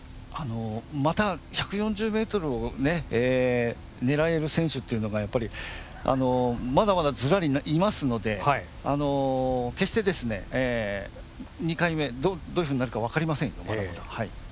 また１４０ｍを狙える選手っていうのが、やっぱりまだまだ、ずらりいますので決してですね、２回目どういうふうになるか分かりませんよ、まだまだ。